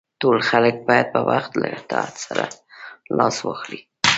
ټول خلک باید په یو وخت له اطاعت لاس واخلي.